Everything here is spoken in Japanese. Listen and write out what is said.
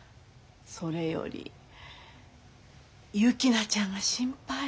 それより雪菜ちゃんが心配。